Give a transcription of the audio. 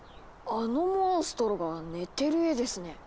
あのモンストロが寝てる絵ですね。